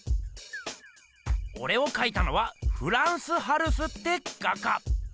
オレをかいたのはフランス・ハルスって画家。